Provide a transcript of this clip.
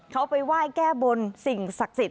เขาไปไหว้แก้บนสิ่งศักดิ์สิทธิ